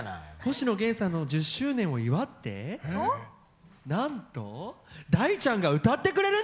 星野源さんの１０周年を祝ってなんと大ちゃんが歌ってくれるんだって！